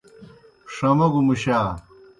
ݜہ موگوْ مُشا۔